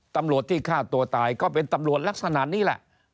ตำรวจที่ฆ่าตัวตายก็เป็นตำรวจลักษณะนี้แหละ